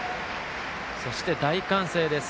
そして、大歓声です。